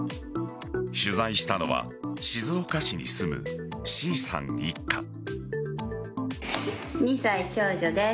取材したのは、静岡市に住むＣさん一家。